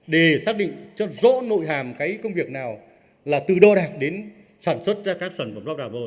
để xác định cho rõ nội hàm cái công việc nào là từ đo đạc đến sản xuất ra các sản phẩm lốp đảo